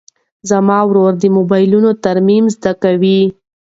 زما ورور د موبایلونو ترمیم زده کوي.